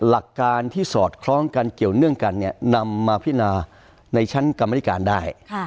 หลักการที่สอดคล้องกันเกี่ยวเนื่องกันเนี่ยนำมาพินาในชั้นกรรมนิการได้